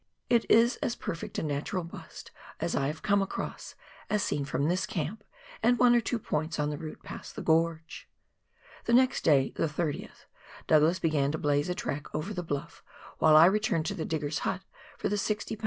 It is as perfect a natural bust as I have come across, as seen from this camp and one or two points on the route past the gorge. The next day, the 30th, Douglas began to blaze a track over the bluff, while I returned to the diggers' hut for the 60 lb.